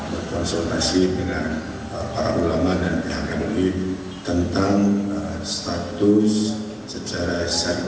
berkonsultasi dengan para ulama dan pihak mui tentang status secara sehat